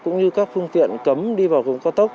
cũng như các phương tiện cấm đi vào vùng cao tốc